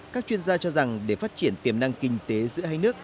các chuyên gia cho rằng để phát triển tiềm năng kinh tế giữa hai nước